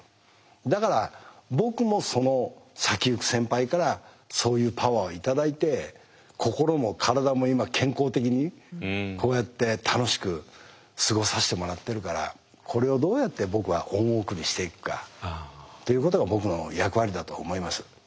だから僕もその先行く先輩からそういうパワーを頂いて心も体も今健康的にこうやって楽しく過ごさせてもらってるからこれをどうやって僕は恩送りしていくかということが僕の役割だと思います。